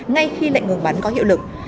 ngay khi lệnh ngừng bắn có hiệu lực